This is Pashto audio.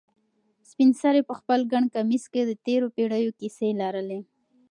سپین سرې په خپل ګڼ کمیس کې د تېرو پېړیو کیسې لرلې.